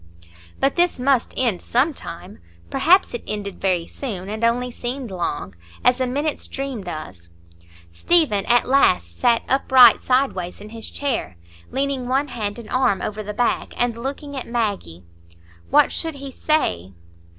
But this must end some time, perhaps it ended very soon, and only seemed long, as a minute's dream does. Stephen at last sat upright sideways in his chair, leaning one hand and arm over the back and looking at Maggie. What should he say?